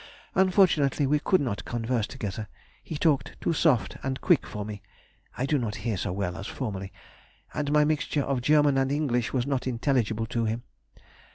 Unfortunately we could not converse together: he talked too soft and quick for me (I do not hear so well as formerly), and my mixture of German and English was not intelligible to him....